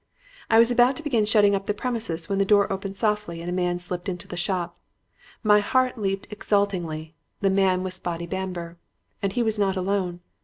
"I was about to begin shutting up the premises when the door opened softly and a man slipped into the shop. My heart leaped exultingly. The man was Spotty Bamber. "And he was not alone.